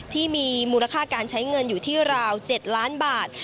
ที่มีมูลค่าการใช้เงินอยู่ที่ราว๗ล้านบาท